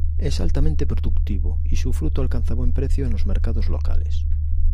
Es altamente productivo y su fruto alcanza buen precio en los mercados locales.